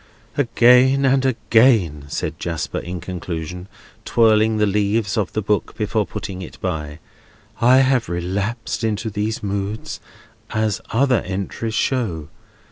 "Again and again," said Jasper, in conclusion, twirling the leaves of the book before putting it by, "I have relapsed into these moods, as other entries show.